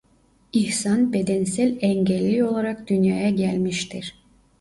İhsan bedensel engelli olarak dünyaya gelmiştir.